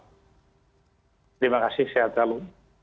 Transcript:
terima kasih sehat selalu